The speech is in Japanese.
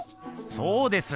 そうです。